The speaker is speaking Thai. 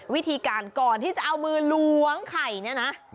วิธีการก่อนที่จะเอามือล้วงไข่เนี่ยนะ